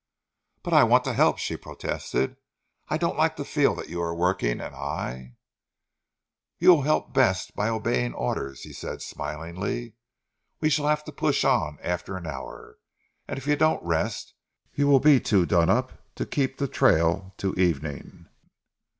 "But I want to help," she protested. "I don't like to feel that you are working and I " "You will help best by obeying orders," he said smilingly. "We shall have to push on after an hour, and if you don't rest you will be too done up to keep the trail till evening."